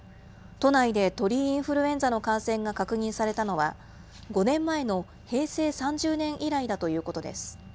都内で鳥インフルエンザの感染が確認されたのは、５年前の平成３０年以来だということです。